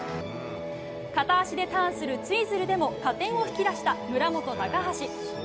片足でターンするツイズルでも加点を引き出した村元、高橋。